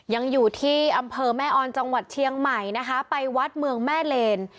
ยังอยู่ที่อำเภอแม่ออนจังหวัดเชียงใหม่นะคะไปวัดเมืองแม่เลน